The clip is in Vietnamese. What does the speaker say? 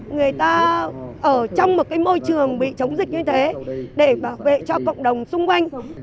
người ta ở trong một môi trường bị chống dịch như thế để bảo vệ cho cộng đồng xung quanh